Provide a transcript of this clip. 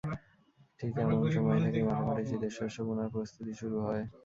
ঠিক এমন সময় থেকেই মাঠে মাঠে শীতের শস্য বোনার প্রস্ত্ততি শুরু হয়।